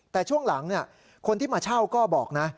แต่ช่วงหลังคนที่มาเช่าก็บอกนะ